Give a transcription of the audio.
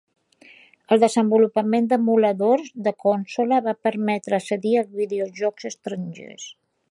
El desenvolupament d'emuladors de consola va permetre accedir als videojocs estrangers.